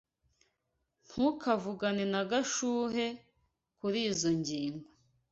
Ntukavugane na Gashuhe kurizoi ngingo.